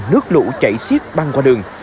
nước lũ chảy xiết băng qua đường